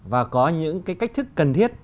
và có những cái cách thức cần thiết